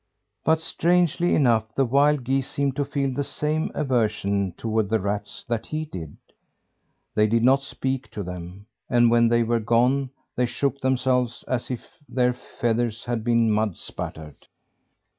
But strangely enough, the wild geese seemed to feel the same aversion toward the rats that he did. They did not speak to them; and when they were gone, they shook themselves as if their feathers had been mud spattered.